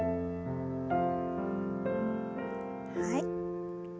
はい。